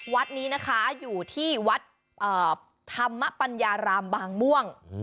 วัดนี้นะคะอยู่ที่วัดธรรมปัญญารามบางม่วง